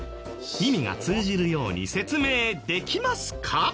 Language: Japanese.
意味が通じるように説明できますか？